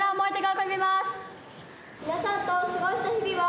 皆さんと過ごした日々は。